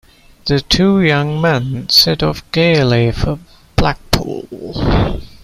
The two young men set off gaily for Blackpool.